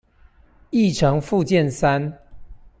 議程附件三